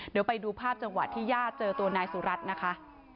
เดี๋ยวไปดูภาพจังหวะที่ญาติเจอตัวนายสุรัตน์นะคะ